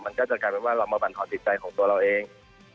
มันก็จะกลายเป็นว่าเรามาบรรทอนจิตใจของตัวเราเอง